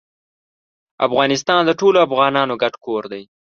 افغانستان د ټولو افغانانو ګډ کور دی.